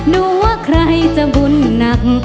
ดูว่าใครจะบุญหนัก